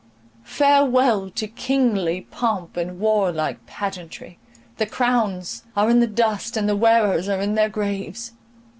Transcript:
—farewell to kingly pomp and warlike pageantry; the crowns are in the dust, and the wearers are in their graves!